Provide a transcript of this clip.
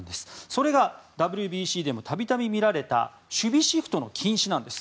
それがＷＢＣでも度々見られた守備シフトの禁止なんです。